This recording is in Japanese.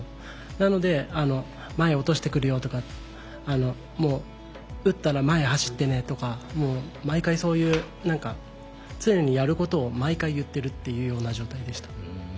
なので、前落としてくるよとか打ったら前、走ってねとか毎回、そういう常にやることを毎回言ってるというような状態でした。